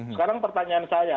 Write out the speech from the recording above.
sekarang pertanyaan saya